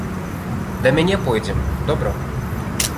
Да мяне пойдзем, добра?